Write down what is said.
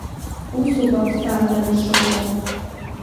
Усоуп аԥсҭазаара шыҟоу!